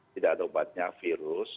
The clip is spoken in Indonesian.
tidak ada obatnya virus